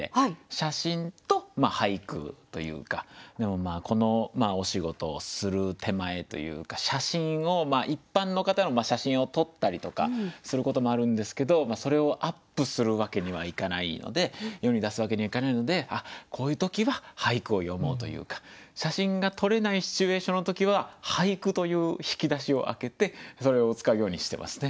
写真と俳句というかこのお仕事をする手前というか写真を一般の方の写真を撮ったりとかすることもあるんですけどそれをアップするわけにはいかないので世に出すわけにはいかないのでこういう時は俳句を詠もうというか写真が撮れないシチュエーションの時は俳句という引き出しを開けてそれを使うようにしてますね。